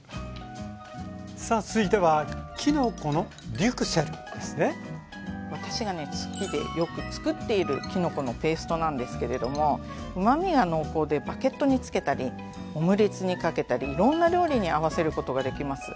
さあ続いては私がね好きでよくつくっているきのこのペーストなんですけれどもうまみが濃厚でバケットにつけたりオムレツにかけたりいろんな料理に合わせることができます。